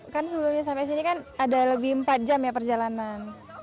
kan sebelumnya sampai sini kan ada lebih empat jam ya perjalanan